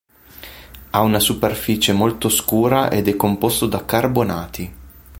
Ha una superficie molto scura ed è composto da carbonati.